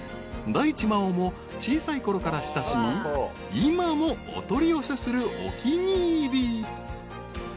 ［大地真央も小さいころから親しみ今もお取り寄せするお気に入り］